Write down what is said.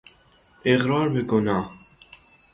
اقرار به گناه